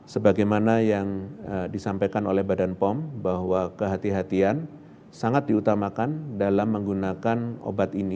sebagaimana yang disampaikan oleh badan pom bahwa kehatian kehatian sangat diutamakan dalam menggunakan obat ini